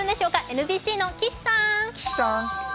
ＮＢＣの岸さーん。